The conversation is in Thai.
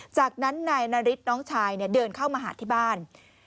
จากนั้นนายนาริสน้องชายเดินเข้ามาหาที่บ้าน